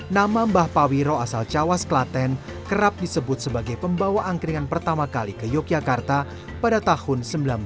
nama mbah pawiro asal cawas klaten kerap disebut sebagai pembawa angkringan pertama kali ke yogyakarta pada tahun seribu sembilan ratus sembilan puluh